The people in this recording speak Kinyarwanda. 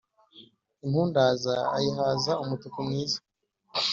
Impundaza ayihaza umutuku mwiza